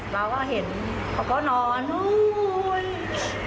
เราก็เห็นเขาก็นอนโอ้ยอยู่อย่างงี้หรอ